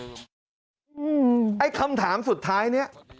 ไอ้คำถามสุดท้ายนี้